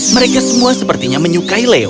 mereka semua sepertinya menyukai leo